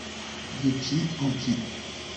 De pis en pis.